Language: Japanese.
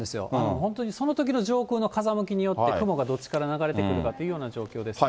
本当にそのときの上空の風向きによって、雲がどっちから流れてくるか状況ですね。